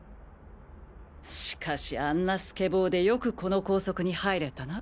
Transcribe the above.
しかしあんなスケボーでよくこの高速に入れたな。